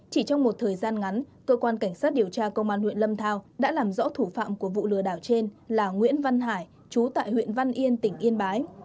chỉ trong một thời gian ngắn cơ quan cảnh sát điều tra công an huyện lâm thao đã làm rõ thủ phạm của vụ lừa đảo trên là nguyễn văn hải chú tại huyện văn yên tỉnh yên bái